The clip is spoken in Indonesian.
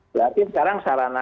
berarti sekarang sarana